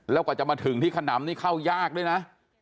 แล้วกว่าจะมาถึงที่ขนำนี่เข้ายากด้วยนะ